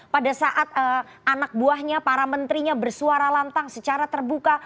pada saat anak buahnya para menterinya bersuara lantang secara terbuka